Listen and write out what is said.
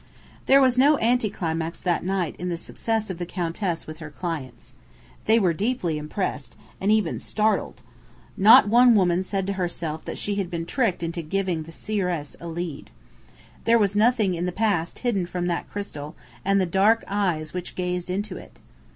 There was no anti climax that night in the success of the Countess with her "clients." They were deeply impressed, and even startled. Not one woman said to herself that she had been tricked into giving the seeress a "lead." There was nothing in the past hidden from that crystal and the dark eyes which gazed into it!